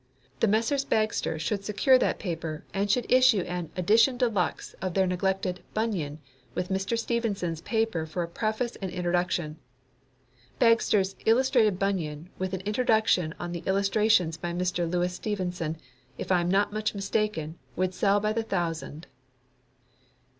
The Messrs. Bagster should secure that paper and should issue an edition de luxe of their neglected "Bunyan," with Mr. Stevenson's paper for a preface and introduction. Bagster's "Illustrated Bunyan," with an introduction on the illustrations by Mr. Louis Stevenson, if I am not much mistaken, would sell by the thousand.